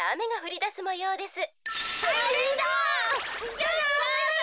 じゃあな。